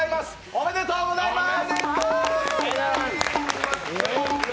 おめでとうございます。